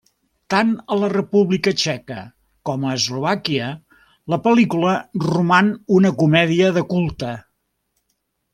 Tant a la República Txeca com a Eslovàquia, la pel·lícula roman una comèdia de culte.